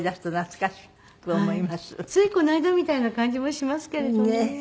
ついこの間みたいな感じもしますけれどね。